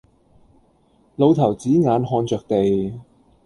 老頭子眼看着地，